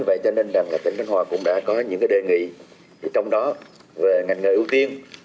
vậy cho nên là tỉnh cánh hòa cũng đã có những đề nghị trong đó về ngành nghề ưu tiên